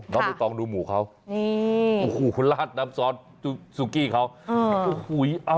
ค่ะแล้วไม่ต้องดูหมูเขานี่โอ้โหลาดน้ำซอสซุกี้เขาอือ